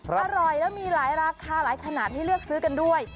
อร่อยแล้วมีหลายราคาหลายขนาดให้เลือกซื้อกันด้วย